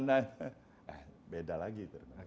eh beda lagi